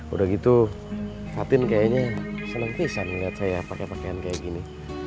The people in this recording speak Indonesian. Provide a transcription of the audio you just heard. udah gitu fatin kayaknya seneng pisan lihat saya pakai pakaian kayak gini